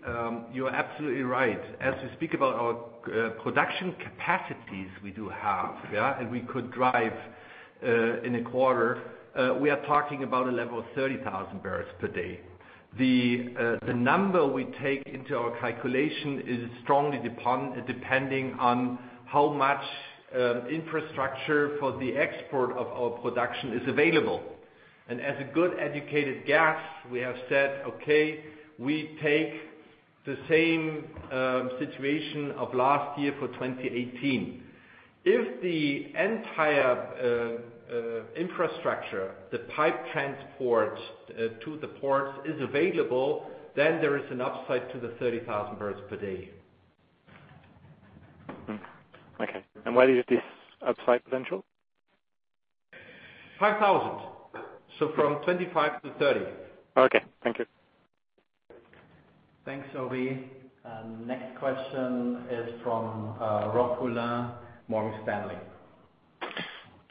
Speaker 3: you're absolutely right. As we speak about our production capacities we do have, and we could drive in a quarter, we are talking about a level of 30,000 barrels per day. The number we take into our calculation is strongly depending on how much infrastructure for the export of our production is available. As a good educated guess, we have said, okay, we take the same situation of last year for 2018. If the entire infrastructure, the pipe transport to the ports is available, then there is an upside to the 30,000 barrels per day.
Speaker 10: Okay. Where is this upside potential?
Speaker 3: 5,000. From 25 to 30.
Speaker 10: Okay. Thank you.
Speaker 2: Thanks, Henri. Next question is from Rob Pulleyn, Morgan Stanley.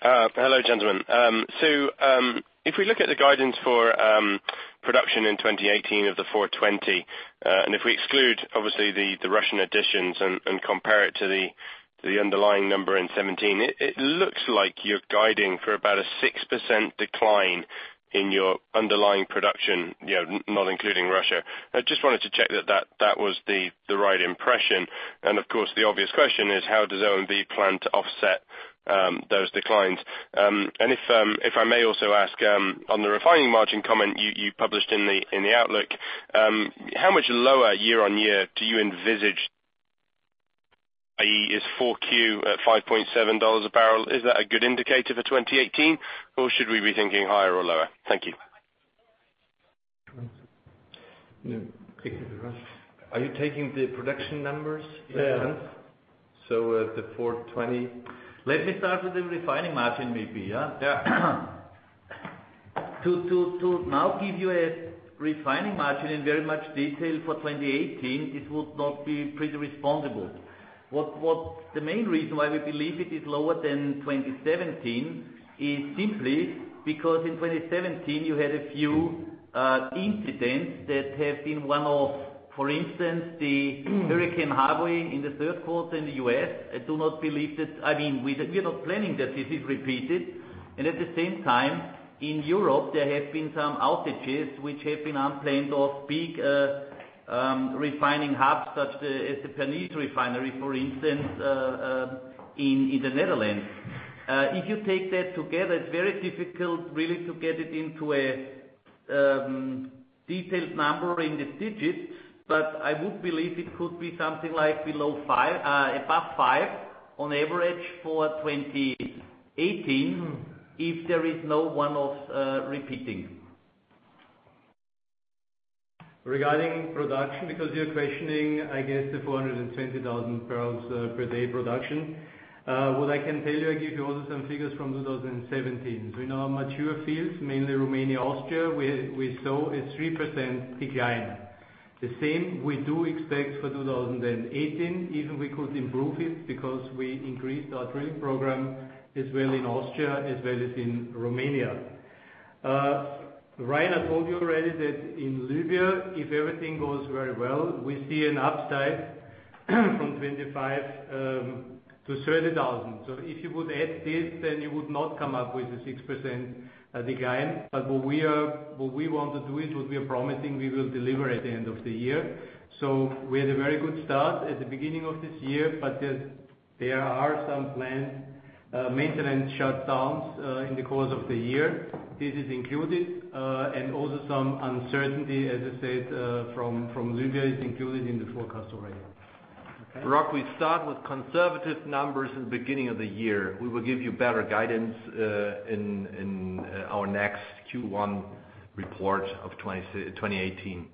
Speaker 11: Hello, gentlemen. If we look at the guidance for production in 2018 of the 420, if we exclude, obviously, the Russian additions and compare it to the underlying number in 2017, it looks like you're guiding for about a 6% decline in your underlying production, not including Russia. I just wanted to check that that was the right impression. Of course, the obvious question is how does OMV plan to offset those declines? If I may also ask on the refining margin comment you published in the outlook, how much lower year-on-year do you envisage i.e. is 4Q at $5.7 a barrel, is that a good indicator for 2018? Should we be thinking higher or lower? Thank you.
Speaker 8: Are you taking the production numbers-
Speaker 7: Yeah
Speaker 8: The 420? Let me start with the refining margin, maybe, yeah?
Speaker 7: Yeah. To now give you a refining margin in very much detail for 2018, it would not be pretty responsible. What the main reason why we believe it is lower than 2017 is simply because in 2017 you had a few incidents that have been one-off. For instance, the Hurricane Harvey in the third quarter in the U.S. We are not planning that this is repeated, and at the same time, in Europe, there have been some outages which have been unplanned of big refining hubs, such as the Pernis Refinery, for instance, in the Netherlands. If you take that together, it's very difficult really to get it into a detailed number in the digits, but I would believe it could be something like above five on average for 2018 if there is no one-off repeating.
Speaker 8: Regarding production, because you're questioning, I guess the 420,000 barrels per day production. What I can tell you, I give you also some figures from 2017. In our mature fields, mainly Romania, Austria, we saw a 3% decline. The same we do expect for 2018, even we could improve it because we increased our drilling program as well in Austria, as well as in Romania. Rainer told you already that in Libya, if everything goes very well, we see an upside from 25,000 to 30,000. If you would add this, then you would not come up with the 6% decline. What we want to do is what we are promising we will deliver at the end of the year. We had a very good start at the beginning of this year, but there are some planned maintenance shutdowns in the course of the year. This is included, and also some uncertainty, as I said, from Libya is included in the forecast already.
Speaker 3: Rob, we start with conservative numbers in the beginning of the year. We will give you better guidance in our next Q1 report of 2018.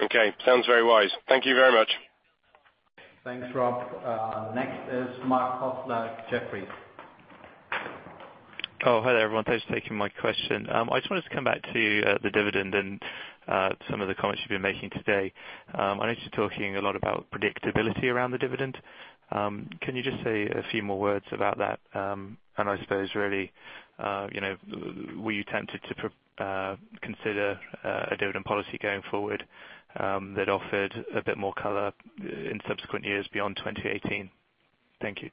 Speaker 11: Okay. Sounds very wise. Thank you very much.
Speaker 2: Thanks, Rob. Next is Marc Kofler, Jefferies.
Speaker 12: Oh, hi there, everyone. Thanks for taking my question. I just wanted to come back to the dividend and some of the comments you've been making today. I noticed you're talking a lot about predictability around the dividend. Can you just say a few more words about that? I suppose really, were you tempted to consider a dividend policy going forward that offered a bit more color in subsequent years beyond 2018? Thank you.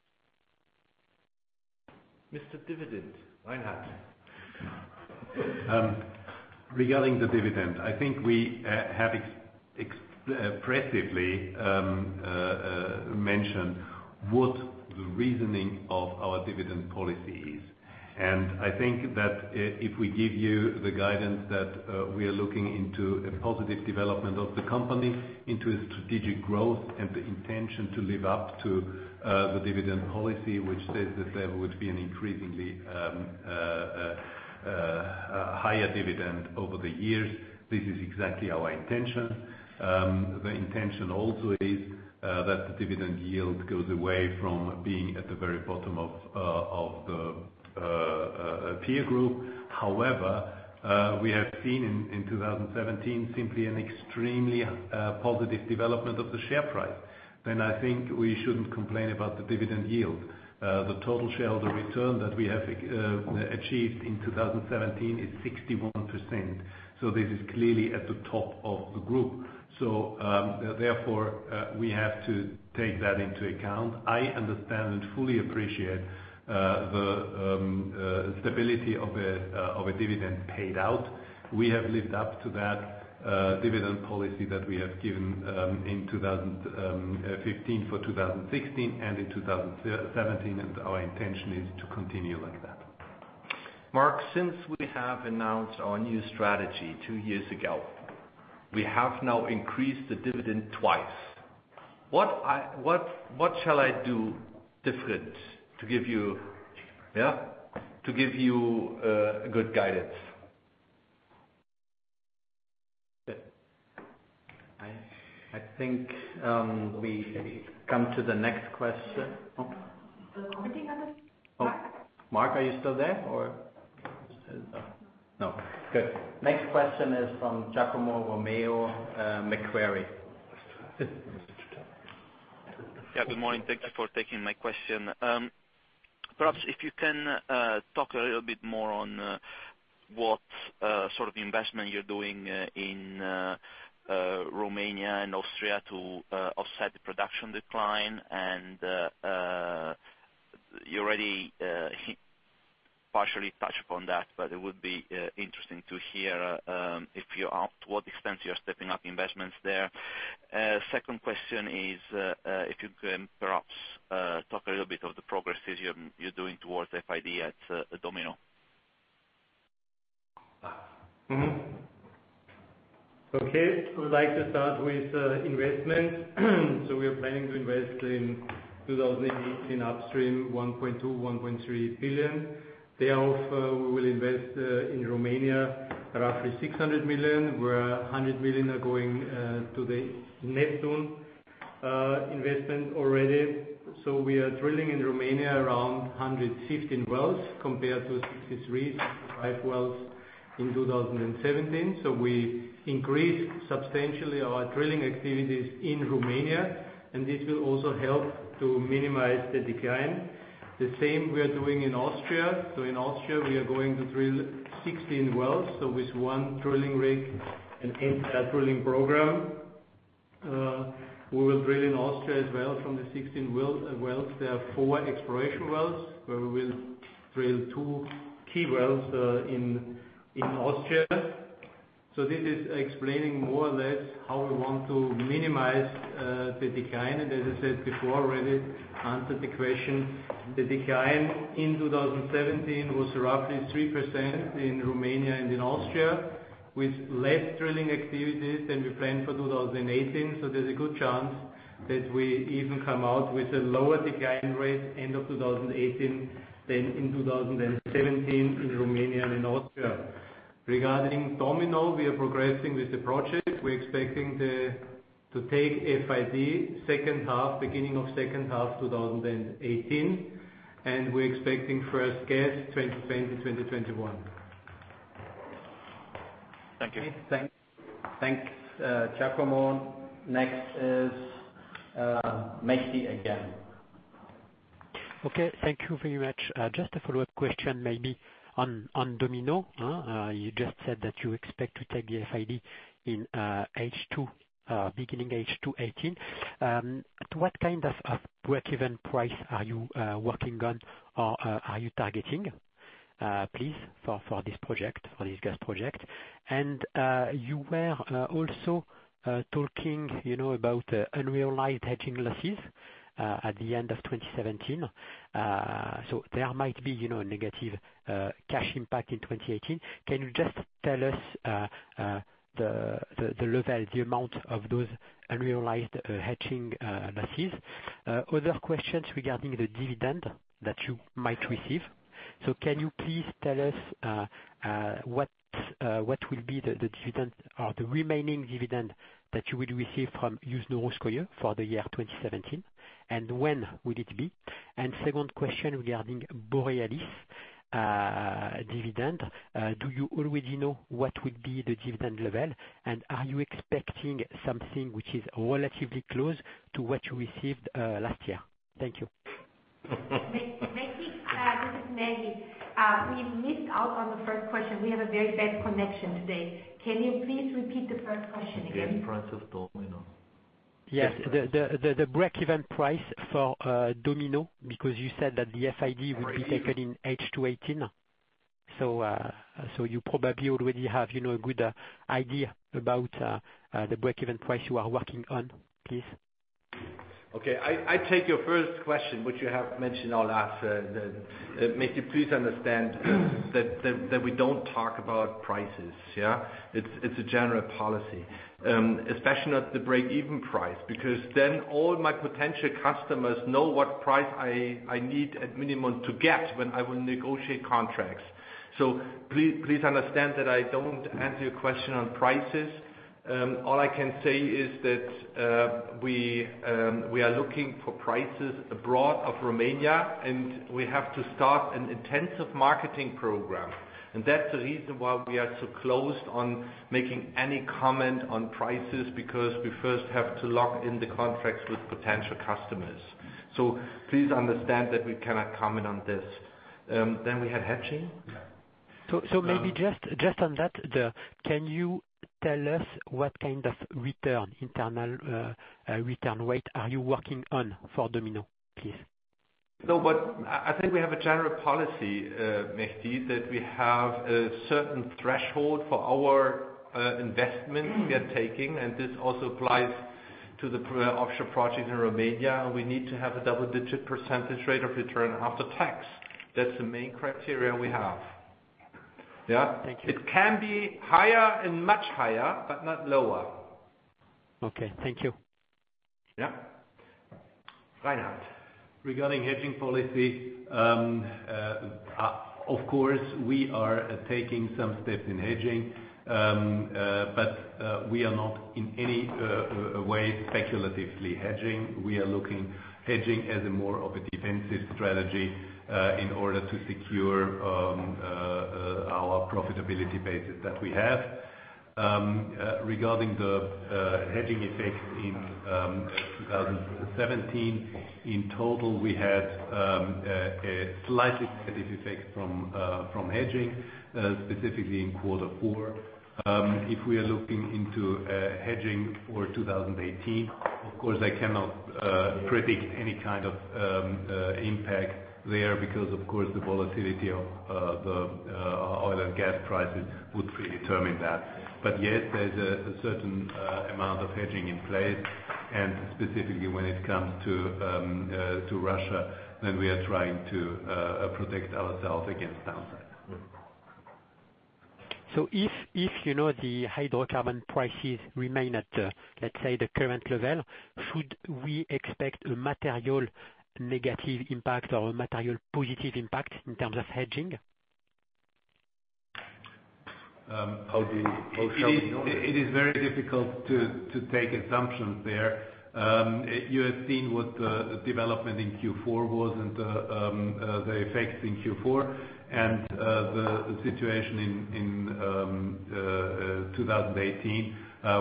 Speaker 5: Reinhard. Regarding the dividend, I think we have expressly mentioned what the reasoning of our dividend policy is. I think that if we give you the guidance that we are looking into a positive development of the company into a strategic growth and the intention to live up to the dividend policy, which says that there would be an increasingly higher dividend over the years, this is exactly our intention. The intention also is that the dividend yield goes away from being at the very bottom of the peer group. However, we have seen in 2017 simply an extremely positive development of the share price. I think we shouldn't complain about the dividend yield. The total shareholder return that we have achieved in 2017 is 61%. This is clearly at the top of the group. Therefore, we have to take that into account.
Speaker 8: I understand and fully appreciate the stability of a dividend paid out. We have lived up to that dividend policy that we have given in 2015 for 2016 and in 2017, and our intention is to continue like that.
Speaker 3: Mark, since we have announced our new strategy two years ago, we have now increased the dividend twice. What shall I do different to give you a good guidance?
Speaker 2: I think we come to the next question.
Speaker 3: The recording of this. Mark?
Speaker 2: Mark, are you still there or No. Good. Next question is from Giacomo Romeo, Macquarie.
Speaker 13: Yeah, good morning. Thank you for taking my question. Perhaps if you can talk a little bit more on what sort of investment you're doing in Romania and Austria to offset the production decline, and you already partially touched upon that, but it would be interesting to hear to what extent you're stepping up investments there. Second question is, if you can perhaps talk a little bit of the progresses you're doing towards FID at Domino.
Speaker 8: Okay. I would like to start with investment. We are planning to invest in 2018 upstream 1.2 billion, 1.3 billion. Thereof, we will invest in Romania, roughly 600 million, where 100 million are going to the Neptun Investment already. We are drilling in Romania around 115 wells compared to 63 wells in 2017. We increased substantially our drilling activities in Romania, and this will also help to minimize the decline. The same we are doing in Austria. In Austria, we are going to drill 16 wells. With one drilling rig and entire drilling program. We will drill in Austria as well. From the 16 wells, there are four exploration wells, where we will drill two key wells in Austria. This is explaining more or less how we want to minimize the decline. As I said before already, answered the question, the decline in 2017 was roughly 3% in Romania and in Austria, with less drilling activities than we planned for 2018. There's a good chance that we even come out with a lower decline rate end of 2018 than in 2017 in Romania and Austria. Regarding Domino, we are progressing with the project. We're expecting to take FID beginning of second half 2018, and we're expecting first gas 2020, 2021.
Speaker 13: Thank you.
Speaker 2: Thanks, Giacomo. Next is Mehdi again.
Speaker 4: Okay. Thank you very much. Just a follow-up question maybe on Domino. You just said that you expect to take the FID beginning H2 2018. To what kind of breakeven price are you working on or are you targeting, please, for this gas project? You were also talking about unrealized hedging losses at the end of 2017. There might be a negative cash impact in 2018. Can you just tell us the level, the amount of those unrealized hedging losses? Other questions regarding the dividend that you might receive. Can you please tell us what will be the dividend or the remaining dividend that you would receive from Yuzhno-Russkoye for the year 2017, and when would it be? Second question regarding Borealis dividend, do you already know what would be the dividend level, and are you expecting something which is relatively close to what you received last year? Thank you.
Speaker 14: Mehdi, this is Maggie. We missed out on the first question. We have a very bad connection today. Can you please repeat the first question again?
Speaker 8: The breakeven price of Domino.
Speaker 4: Yes. The breakeven price for Domino, because you said that the FID would be taken in H2 2018. You probably already have a good idea about the breakeven price you are working on, please.
Speaker 8: Okay. I take your first question, which you have mentioned our last. Mehdi, please understand that we don't talk about prices. Yes. It's a general policy, especially not the breakeven price, because then all my potential customers know what price I need at minimum to get when I will negotiate contracts. Please understand that I don't answer your question on prices. All I can say is that we are looking for prices abroad of Romania, and we have to start an intensive marketing program. That's the reason why we are so closed on making any comment on prices, because we first have to lock in the contracts with potential customers. Please understand that we cannot comment on this. We had hedging?
Speaker 4: Maybe just on that, can you tell us what kind of internal return rate are you working on for Domino, please?
Speaker 8: I think we have a general policy, Mehdi, that we have a certain threshold for our investment we are taking, and this also applies to the offshore project in Romania. We need to have a double-digit percentage rate of return after tax. That's the main criteria we have. Yes.
Speaker 4: Thank you.
Speaker 8: It can be higher and much higher, but not lower.
Speaker 4: Okay. Thank you.
Speaker 8: Yeah. Reinhard.
Speaker 5: Regarding hedging policy, of course, we are taking some steps in hedging, but we are not in any way speculatively hedging. We are looking hedging as a more of a defensive strategy in order to secure our profitability bases that we have. Regarding the hedging effect in 2017, in total, we had a slightly negative effect from hedging, specifically in quarter four. If we are looking into hedging for 2018, of course, I cannot predict any kind of impact there because, of course, the volatility of the oil and gas prices would predetermine that. Yes, there's a certain amount of hedging in place, and specifically when it comes to Russia, then we are trying to protect ourselves against downside.
Speaker 4: If the hydrocarbon prices remain at, let's say, the current level, should we expect a material negative impact or a material positive impact in terms of hedging? How shall we know it?
Speaker 5: It is very difficult to take assumptions there. You have seen what the development in Q4 was and the effects in Q4, the situation in 2018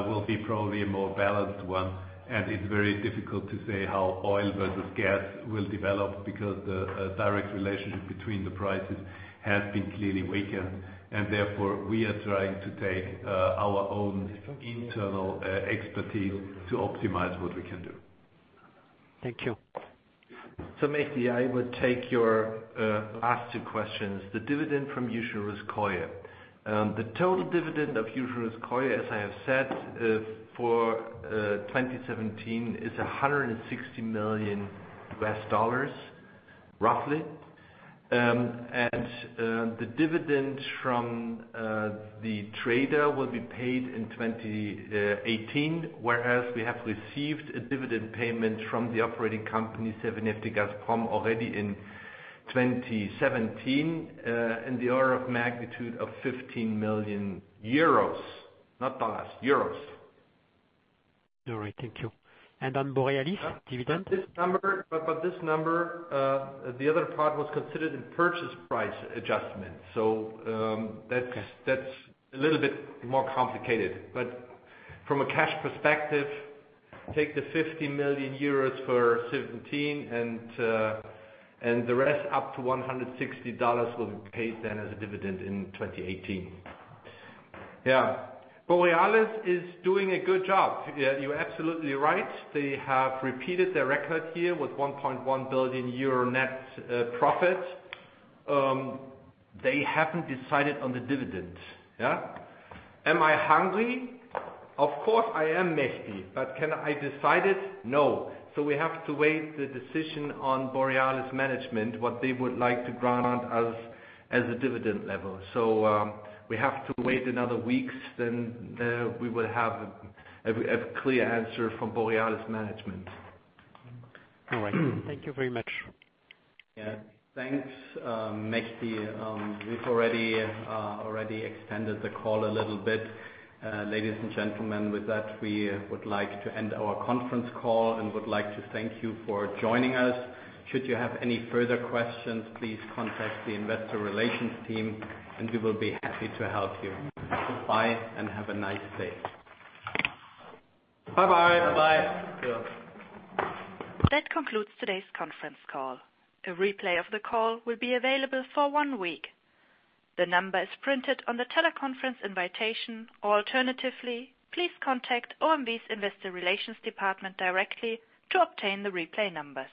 Speaker 5: will be probably a more balanced one. It's very difficult to say how oil versus gas will develop because the direct relationship between the prices has been clearly weakened and therefore we are trying to take our own internal expertise to optimize what we can do.
Speaker 4: Thank you.
Speaker 3: Mehdi, I would take your last two questions. The dividend from Yuzhno-Russkoye. The total dividend of Yuzhno-Russkoye, as I have said, for 2017 is $160 million, roughly. The dividend from the trader will be paid in 2018, whereas we have received a dividend payment from the operating company, Severneftegazprom, already in 2017, in the order of magnitude of 15 million euros. Not dollars, EUR.
Speaker 4: All right, thank you. On Borealis dividend?
Speaker 3: This number, the other part was considered in purchase price adjustment. That's a little bit more complicated. From a cash perspective, take the 15 million euros for 2017 and the rest up to $160 million will be paid then as a dividend in 2018. Borealis is doing a good job. You're absolutely right. They have repeated their record year with 1.1 billion euro net profit. They haven't decided on the dividend. Am I hungry? Of course I am, Mehdi. Can I decide it? No. We have to wait the decision on Borealis management, what they would like to grant us as a dividend level. We have to wait another week, then we will have a clear answer from Borealis management.
Speaker 4: All right. Thank you very much.
Speaker 2: Yeah. Thanks, Mehdi. We've already extended the call a little bit. Ladies and gentlemen, with that, we would like to end our conference call and would like to thank you for joining us. Should you have any further questions, please contact the Investor Relations team and we will be happy to help you. Bye and have a nice day.
Speaker 4: Bye-bye.
Speaker 3: Bye-bye.
Speaker 1: That concludes today's conference call. A replay of the call will be available for one week. The number is printed on the teleconference invitation. Alternatively, please contact OMV's Investor Relations Department directly to obtain the replay number.